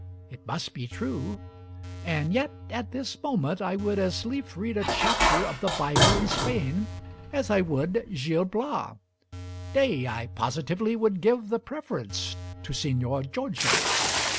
It must be true: and yet at this moment I would as lief read a chapter of the 'Bible in Spain' as I would 'Gil Bias'; nay, I positively would give the preference to Señor Giorgio.